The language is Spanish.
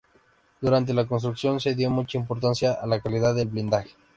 Durante la construcción se dio mucha importancia a la calidad del blindaje.